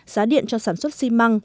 giá điện cho sản xuất xi măng